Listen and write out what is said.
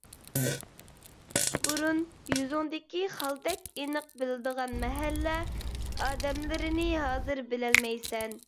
بۇرۇن يۈزۈڭدىكى خالدەك ئېنىق بىلىدىغان مەھەللە ئادەملىرىنى ھازىر بىلەلمەيسەن.